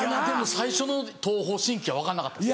最初の東方神起は分かんなかったです。